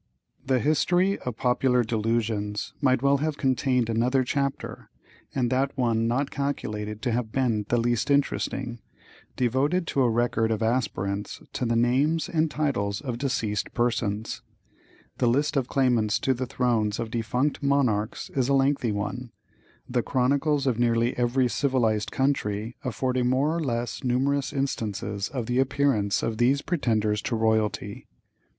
The History of Popular Delusions might well have contained another chapter, and that one not calculated to have been the least interesting, devoted to a record of aspirants to the names and titles of deceased persons. The list of claimants to the thrones of defunct monarchs is a lengthy one, the chronicles of nearly every civilized country affording more or less numerous instances of the appearance of these pretenders to royalty.